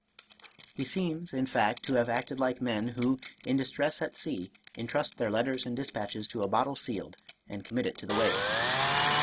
He seems, in fact, to have acted like men, who, in distress at sea, intrust their letters and dispatches to a bottle sealed, and commit it to the waves.